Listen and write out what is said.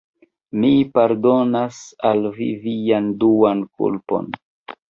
Mi pardonas al vi vian duan kulpon.